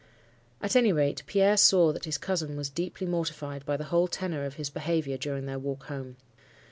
"At any rate, Pierre saw that his cousin was deeply mortified by the whole tenor of his behaviour during their walk home.